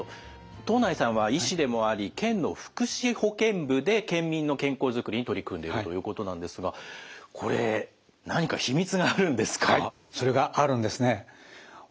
藤内さんは医師でもあり県の福祉保健部で県民の健康づくりに取り組んでいるということなんですがこれ何か秘密があるんですか？